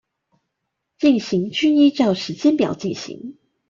進行均依照時間表進行